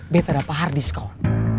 betta dapet hardis kawan